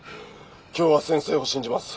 今日は先生を信じます。